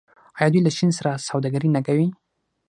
آیا دوی له چین سره سوداګري نه کوي؟